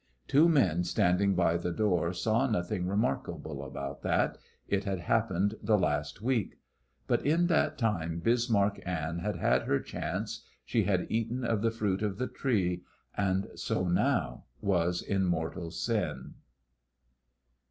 Two men standing by the door saw nothing remarkable about that it had happened the last week. But in that time Bismarck Anne had had her chance, she had eaten of the fruit of the Tree, and so now was in mortal sin.